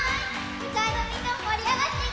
２かいのみんなももりあがっていくよ！